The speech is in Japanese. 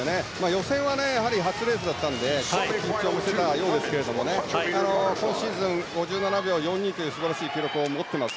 予選は初レースだったので緊張もしていたようですが今シーズン５７秒４２という素晴らしい記録を持っています。